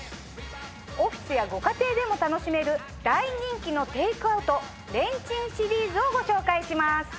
オフィスやご家庭でも楽しめる大人気のテイクアウトレンチンシリーズをご紹介します。